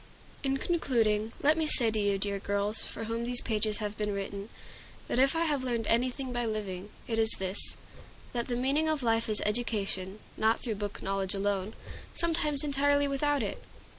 In concluding, let me say to you, dear girls, for whom these pages have been written, that if I have learned anything by living, it is this, that the meaning of life is education; not through book knowledge alone, sometimes entirely without it.